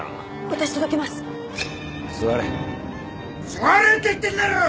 座れって言ってんだろ！